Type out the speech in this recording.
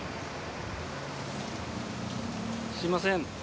すいません。